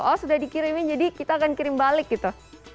oh sudah dikirimin jadi kita akan kirim balik gitu